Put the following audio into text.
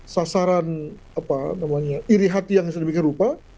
sasaran iri hati yang sedemikian rupa